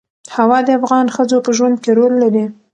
هوا د افغان ښځو په ژوند کې رول لري.